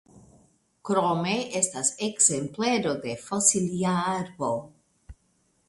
Krome estas ekzemplero de fosilia arbo.